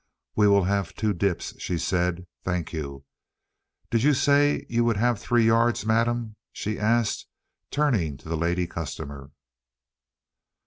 "We will have two dips," she said. "Thank you. Did you say you would have three yards, madam?" she asked, turning to the lady customer.